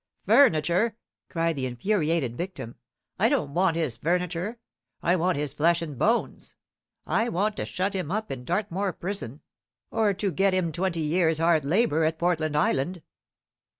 "Furniture!" cried the infuriated victim; "I don't want his furniture. I want his flesh and bones. I want to shut him up in Dartmoor Prison, or to get him twenty years' hard labour at Portland Island."